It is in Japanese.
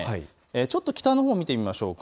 ちょっと北のほうを見てみましょうか。